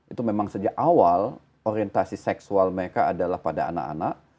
itu memang sejak awal orientasi seksual mereka adalah pada anak anak